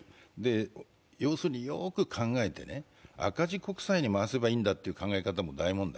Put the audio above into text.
要するに、よく考えて、赤字国債に回せばいいんだという考えも大問題。